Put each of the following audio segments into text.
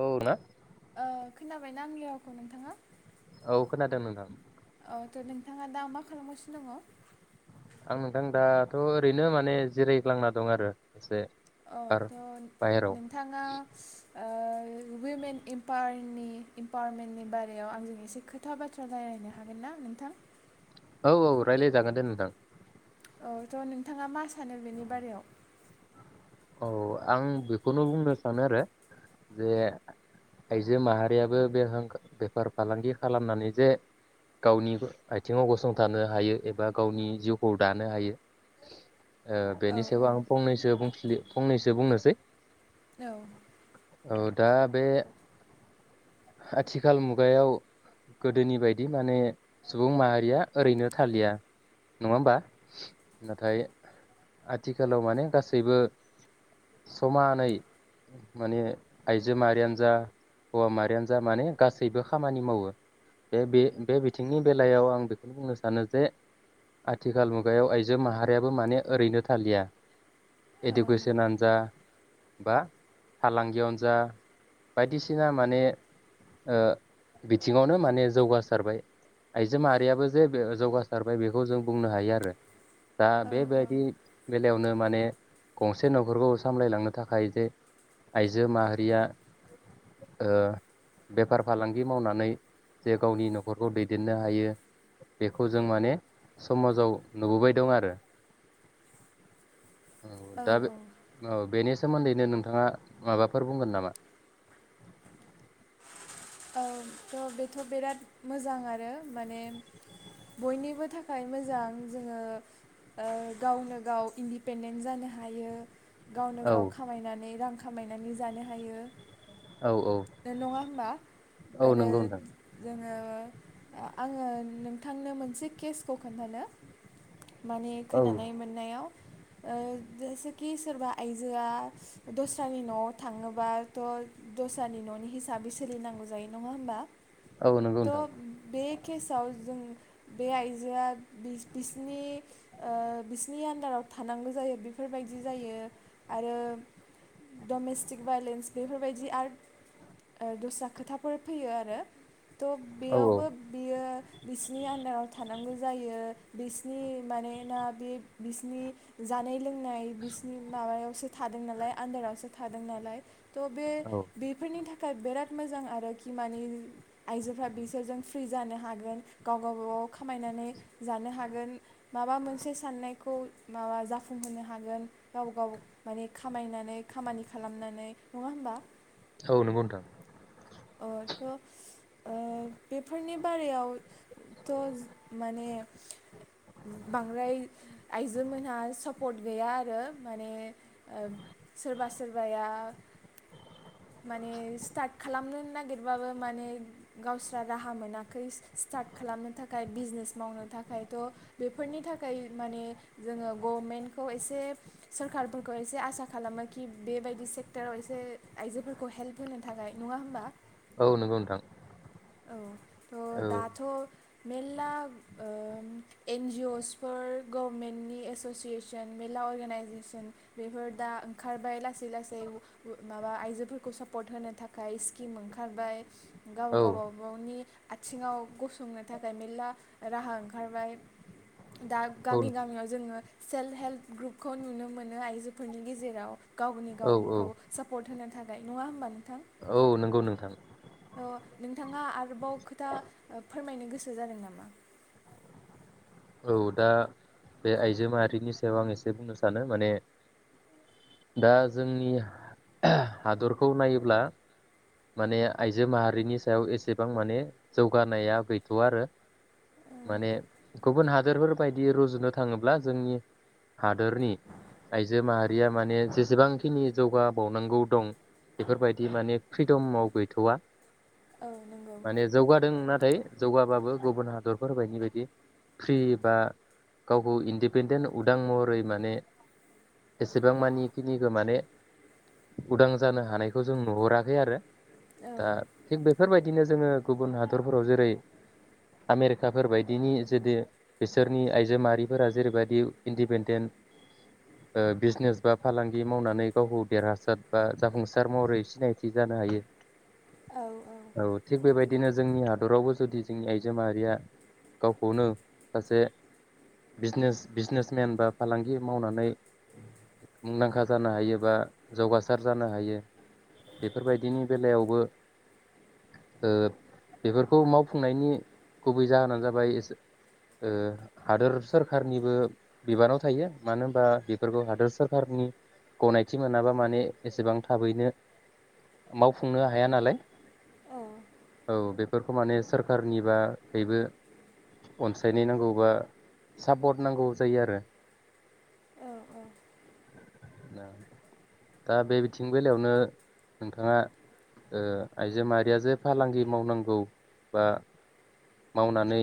औ ना ओ खोनाबायना आंनि रावखौ नोंथाङा? औ खोनादों नोंथां। अ थ' नोंथाङा दा मा खालामगासिनो दङ? आं नोंथां दाथ' ओरैनो माने जिरायग्लांना दं आरो एसे। अ बार थ बाहेराव नोंथांङा ओ वमेन इमपारनि इम्पामेन्टनि बारायाव आंजों एसे खोथा बाथ्रा राय्लायनो हागोन ना नोंथां औ औ रायलाय जागोन दे नोंथां औ थ नोंथाङा मा सानो बेनि बारायाव औ आं बेखौनो बुंनो सानो आरो जे आइजो माहारियाबो बेहां बेफार फालांगि खालामनानै जे गावनि आथिङाव गसंथानो हायो एबा गावनि जिउखौ दानो हायो ओ औ बेनि औ सायाव आं फंनैसो बुंथिलि फंनैसो बुंनोसै औ औ दा बे आथिखाल मुगायाव गोदोनि बायदि माने सुबुं माहारिया ओरैनो थालिया नङा होमबा नाथाय आथिखालाव माने गासैबो समानै माने आइजो माहारियानो जा हौवा माहारियानो जा माने गासैबो खामानि मावो बे बे बे बिथिंनि बेलायाव आं बेखौनो बुंनो सानो जे आथिखाल मुगायाव आइजो माहारियाबो माने ओरैनो थालिया औ इडुकेसनानो जा बा फालांगियावनो जा बायदिसिना माने ओ बिथिङावनो माने जौगासारबाय आइजो माहारियाबो जे बे जौगासारबाय बेखौ जों बुंनो हायो आरो दा औ बेबायदि बेलायावनो माने गंसे नखरखौ सामलायलांनो थाखाय जे आइजो माहारिया ओ बेफार फालांगि मावनानै जे गावनि नखरखौ दैदेननो हायो बेखौ जों माने समाजाव नुबोबाय दं आरो औ दा बे औ बेनि सोमोन्दैनो नोंथाङा माबाफोर बुंगोन नामा औ थ बेथ बिराद मोजां आरो माने बयनिबो थाखाय मोजां जोंङो ओ गावनो गाव इन्दिपेडेन्ट जानो हायो गावनो औ गाव खामायनानै रां खामायनानै जानो हायो औ औ नो नङा होमबा औ आरो नंगौ नोंथां आंङो आंङो नोंथांनो मोनसे केसखौ खोन्थानो माने औ खोनानाय मोननायाव ओ जेसेखि सोरबा आइजोआ दस्रानि नआव थाङोबाथ दस्रानि ननि हिसाबै सोलिनांगौ जायो नङा होमबा औ नंगौ थ नोंथां बे केसआव जों बे आइजोआ बि बिसिनि ओ बिसिनि आन्दाराव थानांगौ जायो बेफोरबायदि जायो आरो डमेस्टिक भायलेन्स बेफोरबायदि आरद ओ दस्रा खोथा फोर फैयो आरो थ' औ बेयावबो बियो बिसिनि आन्दाराव थानांगौ जायो बिसनि मानेना बे बिसिनि जानाय लों नाय बिसिनि माबायावसो थादों नालाय आन्दारावसो थादों ना लाइफ त' बे औ बेफोरनि थाख थाखाय बिराद मोजां आरो खि मानि आइजोफ्रा बिसोरजों फ्रि जानो हागोन गाव गबाव खामायनानै जानो हागोन माबा मोनसे साननायखौ माबा जाफुंहोनो हागोन गाव गाव माने खामायनानै खामानि खालामनानै नङा होमबा औ नोंगौ नोथां अ थ'ओ बेफोरनि बारायावथ' माने बांद्राय आइजो मोनहा सापर्ट गैया आरो माने ओब सोरबा सोरबाया माने स्टार्ट खालामनो नागिरबाबो माने गावस्रा राहा मोनाखै स स्टार्ट खालामनो थाखाय बिजनेस मावनो थाखाय थ' बेफोरनि थाखाय माने जोङो गभमेन्टखौ एसे सोरखारफोरखौ एसे आसा खालामो कि बेबायदि सेक्टराव एसे आइजोफोरखौ हेल्प होनो थाखाय नङा होमबा औ नोंगौ नोंथां औ। थ' औ दाथ' मेल्ला ओम एनजिअस फोर गभमेन्टनि एस'सियेसन मेल्ला अर्गेनाइजेसन बेफोर दा ओंखारबाय। लासै लासै उ उ माबा आइजोफोरखौ सापर्ट होनो थाखाय स्किम ओंखारबाय। औ गावबागावनि आथिङाव गसंनो थाखाय मेल्ला राहा ओंखारबाय। दा औ गामि गामियाव जोंङो सेल्फ हेल्प ग्रुपखौ नुनो मोनो आइजोफोरनि गेजेराव गावनि औ औ गावखौ सापर्ट होनो थाखाय। नंङा होमबा नोंथां? औ नंगौ नोंथां नोंथाङा आरोबाव खोथा फोरमायनो गोसो जादों नामा? औ दा बे आइजो माहारिनि सायाव आं एसे बुंनो सानो माने दा जोंनि ओह हादरखौ नायोब्ला माने आइजो माहारिनि सायाव एसेबां माने जौगानाया गैथ'वा आरो माने गुबुन हादोरफोर बायदि रुजुनो थाङोब्ला जोंनि हादोरनि आइजो माहारिया माने जेसेबांखिनि जौगाबावनांगौ दं बेफोरबायदि माने फ्रिदमाव गैथवा। औ नंगौ माने जौगादों ना थाय जौगाबाबो गुबुन हादरफोर बायदि बायदि फ्रि बा गावखौ इन्दिपेडेन्ट उदां महरै माने एसेबां मानि खिनिखौ माने उदां जानो हानायखौ जों नुहराखै आरो। औ दा थिग बे बेफोरबायदिनो जोंङो गुबुन हादरफोराव जेरै आमेरिकाफोरबायदिनि जेदि बिसोरनि आइजो माहारिफोरा जेरैबायदि इन्दिपेन्डेन्ट बिजनेस बा फालांगि मावनानै गावखौ देरहासार बा जाफुंसार महरै सिनायथि जानो हायो औ औ थिग बेबायदि बिदिनो जोंनि हादरावबो जुदि जोंनि आइजो माहारिया गावखौनो सासे बिजनेस बिजनेसमेन बा फालांगि मावनानै मुंदांखा जानो हायो बा जौगासार जानो हायो बेफोरबायदिनि बेलायावबो ओब बेफोरखौ मावफुंनायनि गुबै जाहोना जाबाय इस ओ हादोर सोरखारनिबो बिबानाव थायो मानो होनबा बेफोरखौ हादोर सोरखारनि गनायथि मोनाबा माने एसेबां थाबैनो मावफुंनो हाया नालाय। औ औ बे बेफोरखौ माने सोरखारनिबा बेबो अनसायनाय नांगौबा सापट नांगौ जायो आरो। औ औ। दा बे बिथिं बेलायावनो नोंथाङा ओ आइजो माहारिया जे फालांगि मावनांगौ बा मावनानै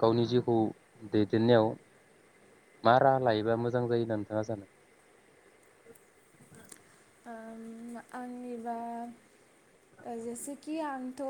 गावनि जिउखौ दैदेननायाव मा राहा लायोबा मोजां जायो होनना नोंथाङा सानो? ओम आंनिबा ओ जेसेखि आंथ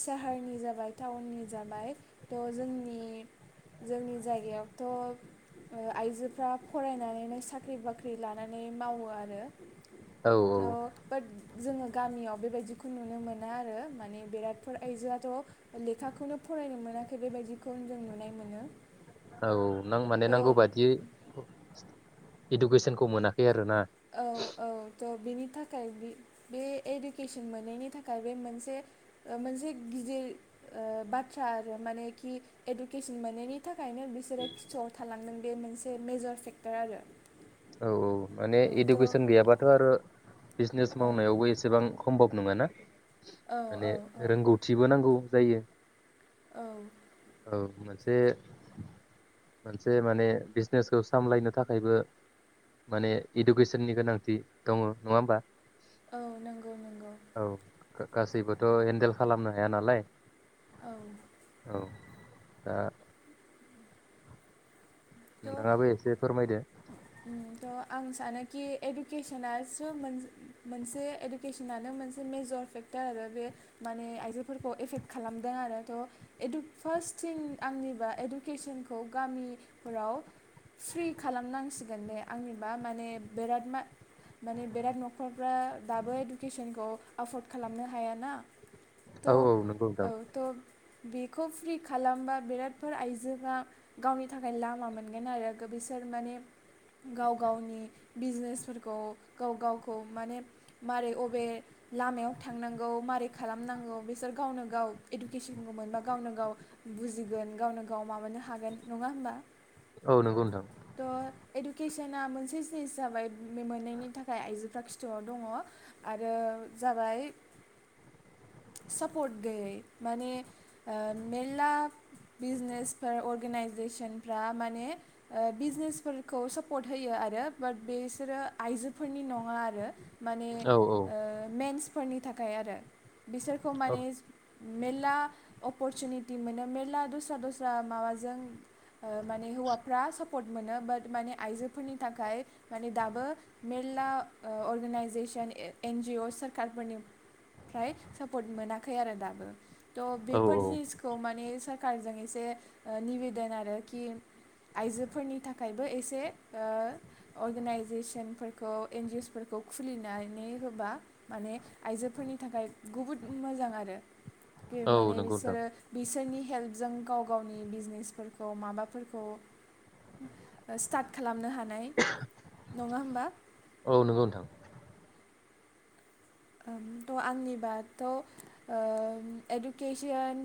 साहारनि जाबाय टाउननि जाबाय थ जोंनि जोंनि जायगायावथ ओ आइजोफ्रा फरायनानैनो साख्रि बाख्रि लानानै मावो आरो। औ [unintelligible] जोंङो गामियाव बेबायदिखौ नुनो मोना आरो माने बेरादफोर आइजोआथ लेखाखौनो फरायनो मोनाखै बेबायदिखौनो जों नुनाय मोनो। औ। नां माने थ' नांगौ बादियै इडुकेसनखौ मोनाखै आरो ना। औ औ थ‌बेनि थाखाय बि-बे इडुकेसन मोनैनि थाखाय बे मोनसे ओ मोनसे गिदिर ओ बाथ्रा आरो मानेखि इडुकेसन मोनैनि थाख खायनो बिसोरो खिथुआव थालांदों बे मोनसे मेजर फेक्टर आरो। औ औ माने थ' इडुकेसन गैयाबाथ आरो बिजनेस औ मावनायावबो एसेबां खम्भब नङा ना? औ माने औ रोंगौथिबो नांगौ जायो। औ औ मोन से मोनसे माने बिजनेसखौ सामलायनो थाखायबो माने इडुकेसननि गोनांथि दङ नङा होमबा? औ नोंगौ नोंगौ। औ गासैबोथ' हेन्देल खालामनो हाया नालाय। औ औ। दा त नोंथाङाबो एसे फोरमायदो उम आं सानो कि इडुकेसनसो मोन-मोनसे इडुकेसनानो मोनसे मेजर फेक्टर आरो बे माने आइजोफोरखौ एफेक्ट खालामदों आरो थ' इदु फार्स्ट थिं आंनिबा इडुकेसनखौ गामि फोराव फ्रि खालामनांसिगोन दे आंनिबा माने बेराद मा- माने बेराद न'खरफ्रा दाबो इडुकेसनखौ एफर्ड खालामनो हायाना। औ थ' औ नोंगौ‌ औ नोंथां। थ' बेखौ फ्रि खालामबा बिरादफोर आइजोआ गावनि थाखाय खाय लामा मोनगोन आरो बिसोर माने गाव गावनि बिजनेसफोरखौ गाव गावखौ माने मारै अबे लामायाव थांनांगौ मारै खालामनांगौ बिसोर गावनो गाव इडुकेसनखौ मोनबा गावनो गाव बुजिगोन गावनो गाव माबानो हागोन नङा होमबा? औ नोंगौ नोंथां। थ' इडुकेसना मोनसे जिनिस जाबाय बे मोननायनि थाखाय आइजोफ्रा खि थआव दङ आरो जाबाय सापर्ट गैयै माने ओ मेरला बिजनेसफोर अर्गेनाइजेसन फ्रा माने बिजनेसफोरखौ सापर्ट होयो आरो बाट बेसोरो आइजोफोरनि नङा आरो। माने औ औ ओ मेन्स फोरनि थाखाय आरो। बिसोरखौ औ माने मेर्ला अपरचुनिटि मोनो मेर्ला दस्रा दस्रा माबाजों ओ माने हौवाफ्रा सापर्ट मोनो बाट माने आइजोफोरनि थाखाय माने दाबो मेर्ला अर्गेनाइजेसन एन जि अ सोरखारफोरनिफ्राय सापर्ट मोनाखै आरो दाबो। थ' औ बेफोर औ जिनिसखौ माने सा खारजों एसे ओ निबेदन आरो। कि आइजोफोरनि थाखायबो एसे ओ अर्गेनाइजेसनफोरखौ एन जि अस फोरफोरखौ खुलिनानै होबा माने आइजोफोरनि थाखाय बुहुत मोजां आरो। बियो औ माने नंगौ नोंथां बिसोरो बिसोरनि हेल्प जों गाव गावनि बिजनेसफोरखौ माबा फोरखौ ओ स्टार्ट खालामनो हानाय नङा होमबा। औ नोंगौ नोंथां। ओ थ' आंनि बाथाथ' ओ इडुकेसन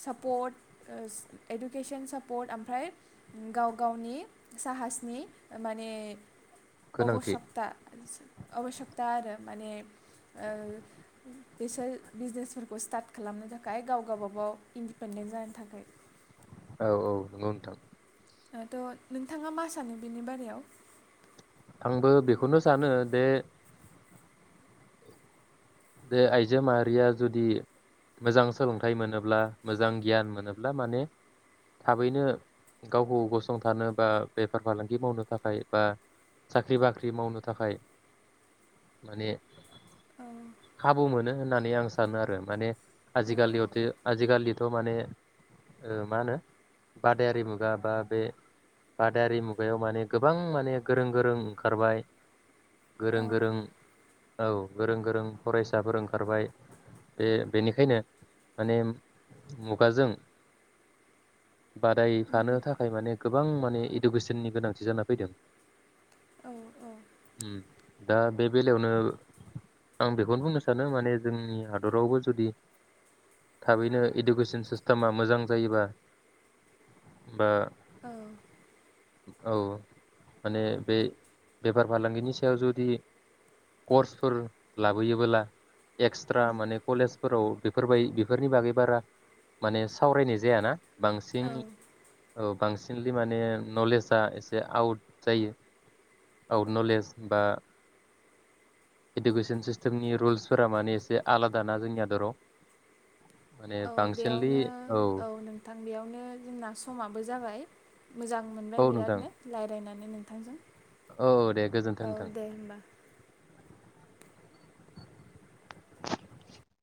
सापर्ट ओ इडुकेसन सापर्ट ओमफ्राय गाव गावनि साहासनि माने गोनांथि अबसकथा आबस्कथा आरो माने ओ बिसोर बिजनेसफोरखौ स्टार्ट खालामनो थाखाय गावबा गाव इन्डिपेन्डेन्ट जानो थाखाय। औ औ नंगौ नोंथां ओ थ' नोंथाङा मा सानो बेनि बारायाव आंबो बेखौनो सानो दे बे आइजो माहारिया जुदि मोजां सोलोंथाइ मोनोब्ला मोजां गियान मोनोब्ला माने थाबैनो गावखौ गसंथानो बा बेफार फालांगि मावनो थाखाय बा साख्रि-बाख्रि मावनो थाखाय माने औ खाबु मोनो होननानै आं सानो आरो माने आजिखालि अहाथो आजिखालि थ' माने ओ मा होनो बादायारि मुगा बा बे बादायारि मुगायाव माने गोबां माने गोरों गोरों ओंखारबाय गोरों गोरों औ गोरों गोरों फरायसाफोर ओंखारबाय बे बेनिखायनो माने मुगाजों बादायफानो थाखाय माने गोबां माने इडुकेसननि गोनांथि जाना फैदों। औ औ उम दा बे बेलायावनो आं बे खौनो बुंनो सानो माने जोंनि हादरावबो जुदि थाबैनो इडुकेसन सिस्टेमा मोजां जायोबा बा औ औ माने बे बेफार फालांगिनि सायाव जुदि कर्सफोर ला बोयोबोला एक्सट्रा माने कलेज फोराव बेफोरबाय बेफोरनि बागै बारा माने सावरायनाय जायाना। औ बांसिनै। औ बांसिनलि माने नलेजआ एसे आउट जायो। आउट नलेज बा इडुकेसन सिस टेमनि रुल्सफोरा माने एसे आलादा ना जोंनि हादराव। माने औ बांसिनलि बेयावनो औ नोंथां बेयावनो जोंना समाबो जाबाय। मोजां मोनबाय औ नोंथां बिरादनो रायलायनानै नों थांजों। औ दे गोजोन्थों नोंथां। होमबा [inaudible]